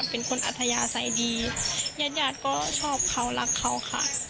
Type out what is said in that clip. เป็นคนอัธยาศัยดีญาติยาดก็ชอบเขารักเขาค่ะ